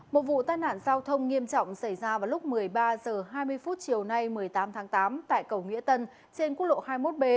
một vụ tai nạn giao thông nghiêm trọng xảy ra vào lúc một mươi ba h hai mươi chiều nay một mươi tám tháng tám tại cầu nghĩa tân trên quốc lộ hai mươi một b